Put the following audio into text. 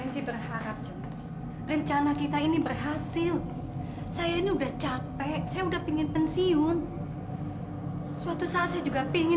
sampai jumpa di video selanjutnya